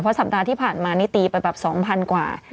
สัปดาห์ที่ผ่านมานี่ตีไปแบบ๒๐๐๐กว่า